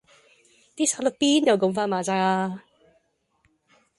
啲沙律邊有咁快賣晒呀